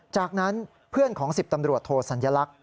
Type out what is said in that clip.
จากนั้นเพื่อนของ๑๐ตำรวจโทสัญลักษณ